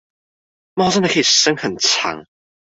貓真的可以伸很長